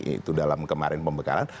itu dalam kemarin pembekalan